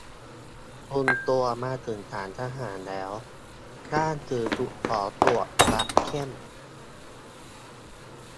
ควบคุมตัวมาถึงศาลทหารแล้ว ด้านสื่อถูกขอตรวจบัตรเข้ม